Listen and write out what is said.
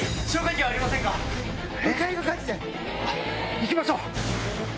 行きましょう！